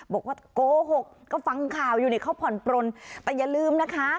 บอกว่าโกหกก็ฟังข่าวอยู่นี่เขาผ่อนปลนแต่อย่าลืมนะคะ